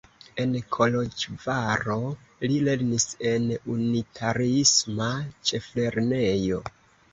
En Koloĵvaro li lernis en unitariisma ĉeflernejo.